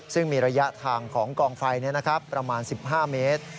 ซึ่งมีระยะทางของกองไฟนั้นนะครับประมาณ๑๕เมตร